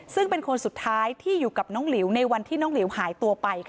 ซึ่งเป็นคนสุดท้ายที่อยู่กับน้องหลิวในวันที่น้องหลิวหายตัวไป